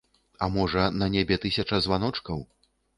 А можа, на небе тысяча званочкаў?